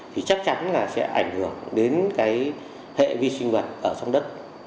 thì chắc chắn là sẽ ảnh hưởng đến cái hệ vi sinh vật ở trong đất